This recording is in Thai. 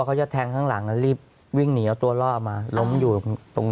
เขาจะแทงข้างหลังรีบวิ่งหนีเอาตัวรอดมาล้มอยู่ตรง